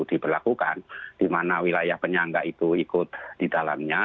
diberlakukan di mana wilayah penyangga itu ikut di dalamnya